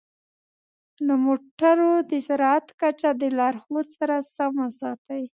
د موټرو د سرعت کچه د لارښود سره سم وساتئ.